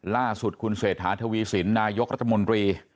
ล่าสุดคุณเศรษฐาทวีสินนายกรัฐมนตรี